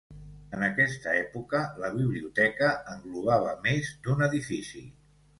En aquesta època, la biblioteca englobava més d'un edifici.